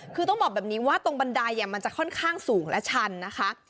คือต้องบอกแบบนี้ว่าตรงบันไดมันจะค่อนข้างสูงและชันนะคะ